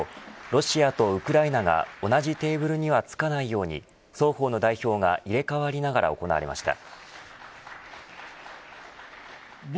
ロシアとウクライナが同じテーブルにはつかないように双方の代表が入れ替わりながら行われました。